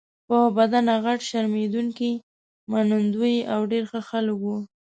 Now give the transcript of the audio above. په بدنه غټ، شرمېدونکي، منندوی او ډېر ښه خلک وو.